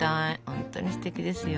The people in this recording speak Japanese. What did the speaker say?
本当にすてきですよ。